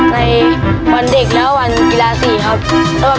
ในวันเด็กและวันกีฬา๔ครับ